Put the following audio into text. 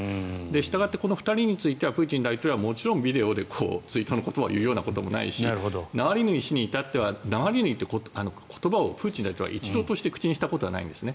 したがってこの２人についてはプーチン大統領はもちろんビデオで追悼の言葉を言うこともないしナワリヌイ氏に至ってはナワリヌイって言葉をプーチン大統領は一度として口にしたことがないんですね。